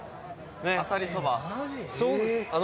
あさりそば。